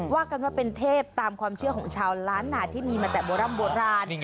ว่ากันว่าเป็นเทพตามความเชื่อของชาวล้านนาที่มีมาแต่โบร่ำโบราณ